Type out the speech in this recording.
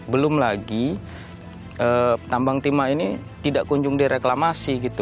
belum lagi tambang timah ini tidak kunjung direklamasi gitu